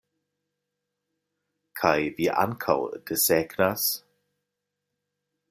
Kaj vi ankaŭ desegnas?